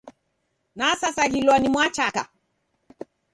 Nasasaghirwa ni mwachaka.